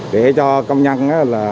để cho công nhân